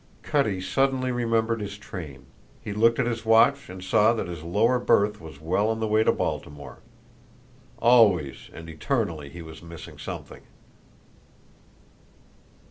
Cutty suddenly remembered his train. He looked at his watch and saw that his lower berth was well on the way to Baltimore. Always and eternally he was missing something.